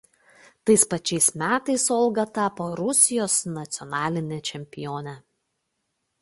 Tais pačiais metais Olga tapo Rusijos nacionaline čempione.